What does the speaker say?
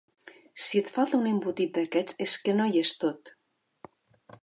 Si et falta un embotit d'aquests és que no hi ets tot.